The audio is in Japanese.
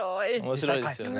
面白いですよね。